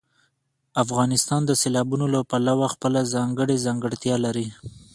افغانستان د سیلابونو له پلوه خپله ځانګړې ځانګړتیا لري.